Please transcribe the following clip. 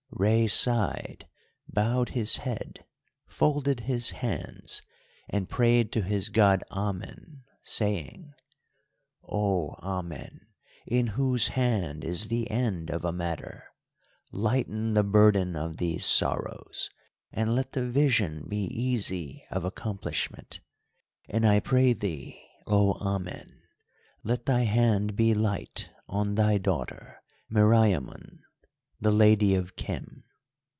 Rei sighed, bowed his head, folded his hands, and prayed to his God Amen, saying: "O Amen, in whose hand is the end of a matter, lighten the burden of these sorrows, and let the vision be easy of accomplishment, and I pray thee, O Amen, let thy hand be light on thy daughter Meriamun, the Lady of Khem."